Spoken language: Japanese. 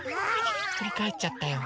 ひっくりかえっちゃったよ。